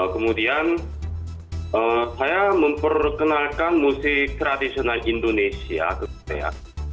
kemudian saya memperkenalkan musik tradisional indonesia ke korea